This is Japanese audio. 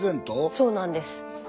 そうなんです。